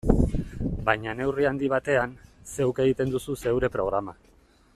Baina neurri handi batean, zeuk egiten duzu zeure programa.